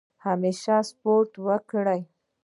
همیشه سپورټ وکړئ.